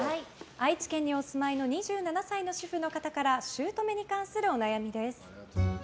愛知県にお住まいの２７歳の主婦の方からしゅうとめに関するお悩みです。